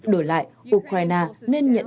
đổi lại ukraine nên nhận